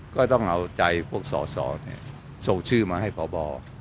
ก็ต้องเอาใจพวกสอสอแน่นี้ส่งชื่อมาให้ผอบอ